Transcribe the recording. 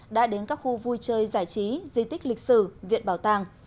đã đến các khu vui chơi giải trí di tích lịch sử viện bảo tàng